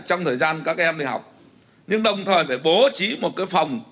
trong thời gian các em đi học nhưng đồng thời phải bố trí một cái phòng